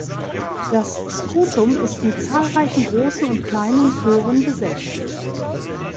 Das Scutum ist mit zahlreichen großen und kleinen Poren besetzt.